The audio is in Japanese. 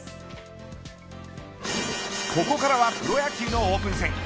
ここからはプロ野球のオープン戦。